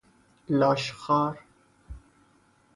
لاش خوار